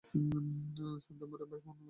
সান্থানামরা ভাই-বোন মিলে মোট চব্বিশ জন।